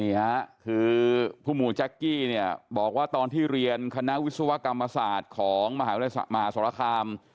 นี่ครับคือผู้หมู่แจ๊กกี้บอกว่าตอนที่เรียนคณะวิศวกรรมศาสตร์ของมหาสรคาม